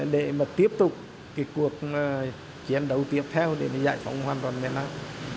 để mà tiếp tục cái cuộc chiến đấu tiếp theo để giải phóng hoàn toàn miền nam